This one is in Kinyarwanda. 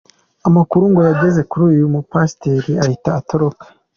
Amakuru ngo yageze kuri uyu mupasiteri ahita atoroka.